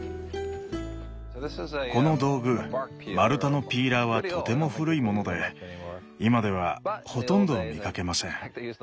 この道具丸太のピーラーはとても古いもので今ではほとんど見かけません。